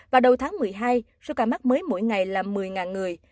và đầu tháng một mươi hai số ca mắc mới mỗi ngày là một mươi người